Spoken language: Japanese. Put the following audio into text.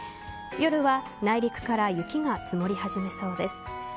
夜は内陸から雪が積もり始めそうです。